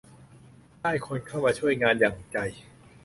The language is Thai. ได้คนเข้ามาช่วยงานอย่างใจ